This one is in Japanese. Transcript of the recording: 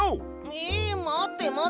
えまってまって！